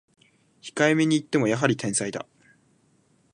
控えめに言ってもやはり天才だ